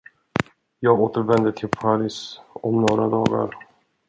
Jag återvänder till Paris om några dagar.